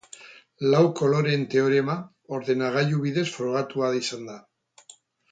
Lau koloreen teorema ordenagailu bidez frogatua izan da.